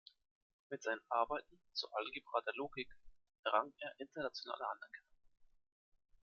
Mit seinen Arbeiten zur Algebra der Logik errang er internationale Anerkennung.